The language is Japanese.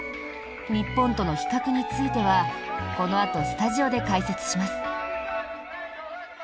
日本との比較についてはこのあとスタジオで解説します。